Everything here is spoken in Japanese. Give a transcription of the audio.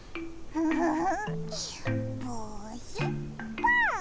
ウフフフ。